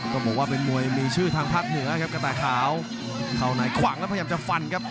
ต้องบอกว่าเป็นมวยมีชื่อทางภาคเหนือครับกระแต่ขาวเข้าไหนขวางแล้วพยายามจะฟันครับ